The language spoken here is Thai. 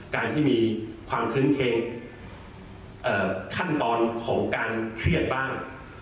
การที่มีความคื้นเคงขั้นตอนของการเครียดบ้าง